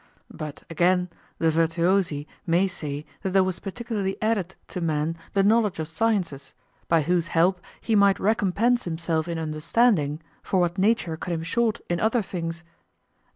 But again, the virtuosi may say that there was particularly added to man the knowledge of sciences, by whose help he might recompense himself in understanding for what nature cut him short in other things.